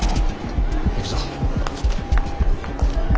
行くぞ。